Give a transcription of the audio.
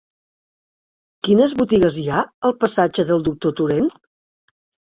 Quines botigues hi ha al passatge del Doctor Torent?